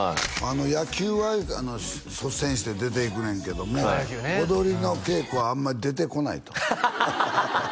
野球は率先して出ていくねんけども踊りの稽古はあんまり出てこないとハハハハ！